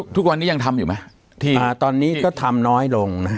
ทุกวันนี้ยังทำอยู่ไหมตอนนี้ก็ทำน้อยลงนะฮะ